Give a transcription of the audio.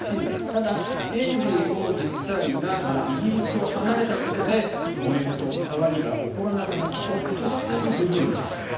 ただ、ヘンリー王子夫妻がイギリスを離れたことでもめ事、騒ぎが起こらなくなりホッとしている部分もあると。